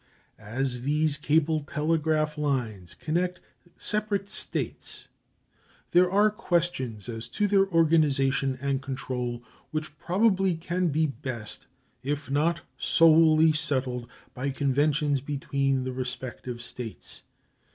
As these cable telegraph lines connect separate states, there are questions as to their organization and control which probably can be best, if not solely, settled by conventions between the respective states.